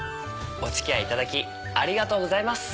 お付き合いいただきありがとうございます。